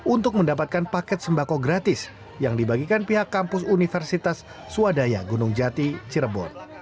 untuk mendapatkan paket sembako gratis yang dibagikan pihak kampus universitas swadaya gunung jati cirebon